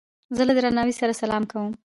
زه له درناوي سره سلام کوم.